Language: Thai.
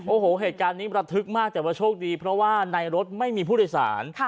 โอ้โหเหตุการณ์นี้ระทึกมากแต่ว่าโชคดีเพราะว่าในรถไม่มีผู้โดยสาร